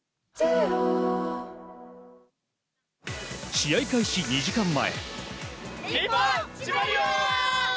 試合開始２時間前。